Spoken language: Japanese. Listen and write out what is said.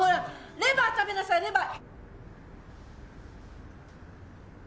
レバー食べなさいレバー！